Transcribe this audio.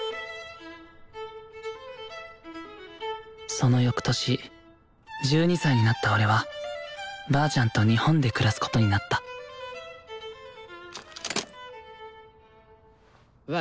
その翌年１２歳になった俺はばあちゃんと日本で暮らすことになった忘れ物はないかい？